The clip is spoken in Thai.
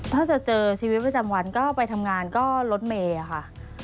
ถ้าจะเจอชีวิตประจำวันก็ไปทำงานก็รถเมย์ค่ะ